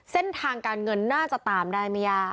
เส้นทางการเงินน่าจะตามได้ไม่ยาก